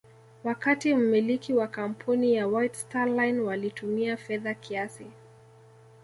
wakati mmiliki wa kampuni ya White Star Line walitumia fedha kiasi